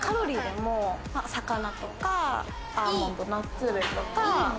魚とかアーモンド、ナッツ類とか。